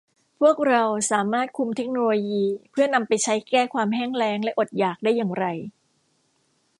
พวกเราสามารถคุมเทคโนโลยีเพื่อนำไปใช้แก้ความแห้งแล้งและอดอยากได้อย่างไร